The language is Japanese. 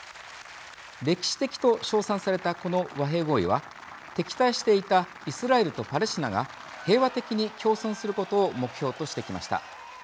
歴史的と称賛されたこの和平合意は敵対していたイスラエルとパレスチナが平和的に共存することを目標としてきました。